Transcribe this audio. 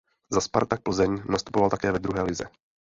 Za Spartak Plzeň nastupoval také ve druhé lize.